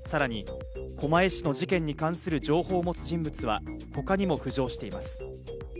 さらに狛江市の事件に関する情報を持つ人物は他にも浮上しています。